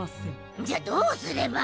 じゃどうすれば。